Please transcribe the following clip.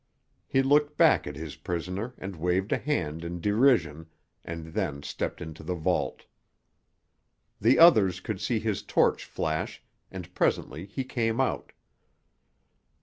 He looked back at his prisoner and waved a hand in derision, and then stepped into the vault. The others could see his torch flash, and presently he came out.